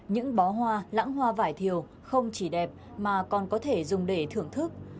những bó hoa lãng hoa vải thiều không chỉ đẹp mà còn có thể dùng để thưởng thức